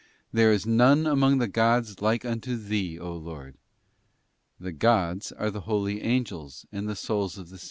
'There is none among the gods like unto Thee, 0 Lord.'* ———— The 'gods' are the holy Angels and the souls of the Saints.